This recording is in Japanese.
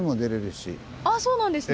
あそうなんですね